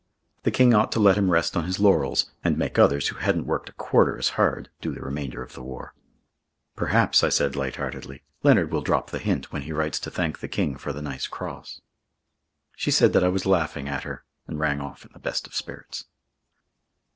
The King ought to let him rest on his laurels and make others who hadn't worked a quarter as hard do the remainder of the war. "Perhaps," I said light heartedly, "Leonard will drop the hint when he writes to thank the King for the nice cross." She said that I was laughing at her, and rang off in the best of spirits.